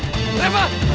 sampai jumpa lagi